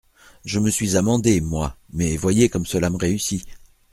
Je me suis amendé, moi ; mais voyez comme cela me réussit.